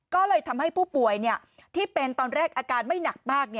ก็เลยทำให้ผู้ป่วยที่เป็นตอนแรกอาการไม่หนักมาก